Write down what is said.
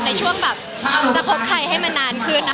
ในช่วงประกอบจะพกใครให้มานานขึ้น